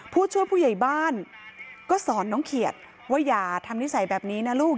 ผู้ช่วยผู้ใหญ่บ้านก็สอนน้องเขียดว่าอย่าทำนิสัยแบบนี้นะลูก